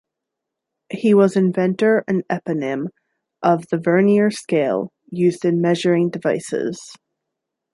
He was inventor and eponym of the vernier scale used in measuring devices.